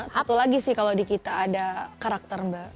satu lagi sih kalau di kita ada karakter mbak